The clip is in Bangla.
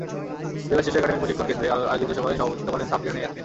জেলা শিশু একাডেমীর প্রশিক্ষণ কেন্দ্রে আয়োজিত সভায় সভাপতিত্ব করেন সাবরিনা ইয়াসমিন।